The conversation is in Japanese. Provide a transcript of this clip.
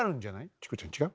チコちゃん違う？